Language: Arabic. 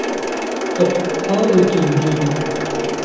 وَقَدْ قَالَ الْكِنْدِيُّ